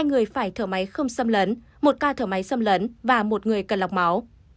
hai người phải thở máy không xâm lấn một ca thở máy xâm lấn và một người cần lọc máu